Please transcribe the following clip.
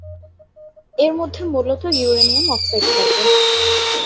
এর মধ্যে মূলত ইউরেনিয়াম অক্সাইড থাকে।